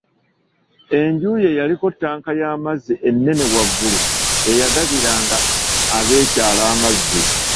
Enju ye yaliko ttanka y'amazzi ennene waggulu eyagabiranga ab'ekyalo amazzi.